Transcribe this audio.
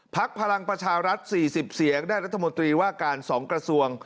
พลังประชารัฐ๔๐เสียงได้รัฐมนตรีว่าการ๒กระทรวง